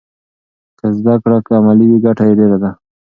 که زده کړه عملي وي ګټه یې ډېره ده.